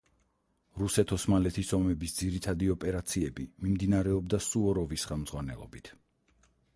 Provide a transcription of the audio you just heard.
რუსეთ-ოსმალეთის ომების ძირითადი ოპერაციები მიმდინარეობდა სუვოროვის ხელმძღვანელობით.